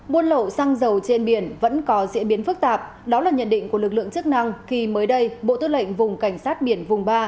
buôn lậu xăng dầu trên biển vẫn có diễn biến phức tạp đó là nhận định của lực lượng chức năng khi mới đây bộ tư lệnh vùng cảnh sát biển vùng ba